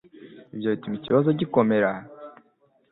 Ibyo bituma ikibazo gikomera